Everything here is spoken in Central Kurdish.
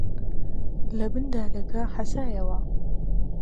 لەبن دارەکە حەسایەوە